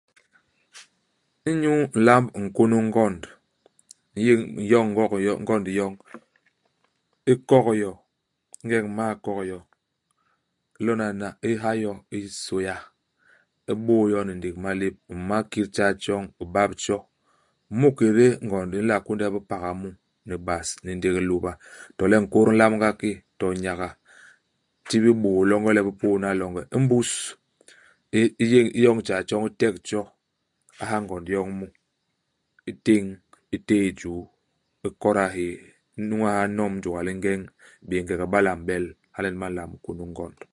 Inyu ilamb nkônô u ngond, u n'yéñ u n'yôñ ngok yo ngond yoñ, u kok yo. Ingeñ u m'mal kok yo, u lona hana u ha yo i sôya. U bôô yo ni ndék i malép. U ma kit tjay tjoñ u bap tjo. Mu i kédé ngond, u nla kônde bipaga mu, ni bas, ni ndék hilôba, to le nkôt u nlamb nga ki, to nyaga. U tibil bôô longe le bi pôdna longe. Imbus, u u yék u yoñ tjay tjoñ u tek tjo, u ha ngond yoñ mu. U téñ, u téé i juu. U koda hyéé. U ñwas a n'nom jôga li ngeñ. U béngege iba le a m'bel. Hala nyen ba nlamb nkônô u ngond.